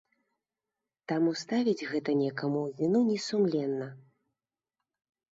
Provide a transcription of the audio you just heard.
Таму ставіць гэта некаму ў віну несумленна.